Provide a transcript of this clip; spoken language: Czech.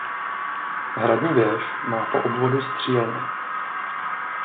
Hradní věž má po obvodu střílny.